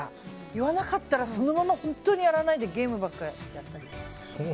言わなかったらそのまま本当にやらないでゲームばっかりやったり。